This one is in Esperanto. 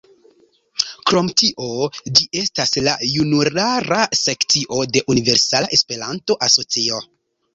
Krom tio, ĝi estas la junulara sekcio de Universala Esperanto-Asocio.